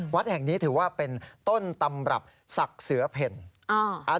วัดแห่งนี้ถือว่าเป็นต้นตำรับศักดิ์เสือเพล